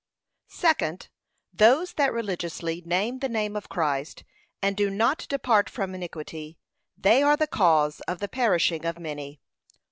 Second, Those that religiously name the name of Christ, and do not depart from iniquity, they are the cause of the perishing of many.